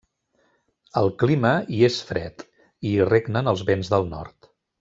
El clima hi és fred, i hi regnen els vents del nord.